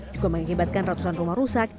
juga mengakibatkan ratusan rumah rusak